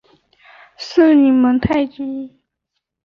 森林蒙泰居。